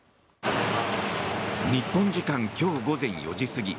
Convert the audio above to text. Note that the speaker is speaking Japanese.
日本時間今日午前４時過ぎ